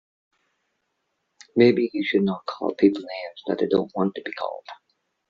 Maybe he should not call people names that they don't want to be called.